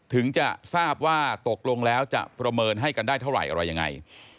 ถึงจะทราบว่าตกลงแล้วจะประเมินให้กันได้เท่าไหร่อะไรยังไง